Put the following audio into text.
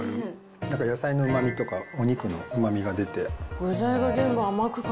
なんか野菜のうまみとかお肉のうまみが出て。